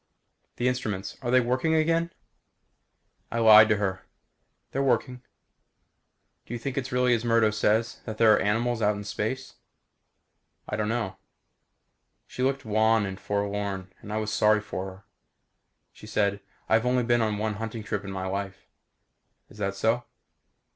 "The instruments are they working again?" I lied to her. "They're working." "Do you think it's really as Murdo says that there are animals out in space?" "I don't know." She looked wan and forlorn and I was sorry for her. She said, "I've only been on one hunting trip in my life." "Is that so?"